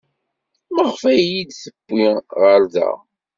Maɣef ay iyi-d-tewwi ɣer da?